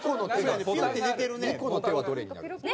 猫の手はどれになるんですか？